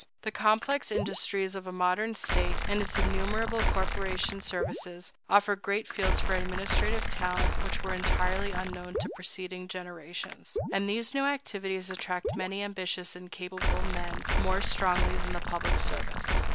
The complex industries of a modern state, and its innumerable corporation services, offer great fields for administrative talent which were entirely unknown to preceding generations; and these new activities attract many ambitious and capable men more strongly than the public service.